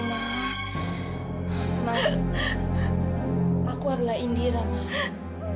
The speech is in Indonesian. mama padahal dia sudah ikut pemimpin ibu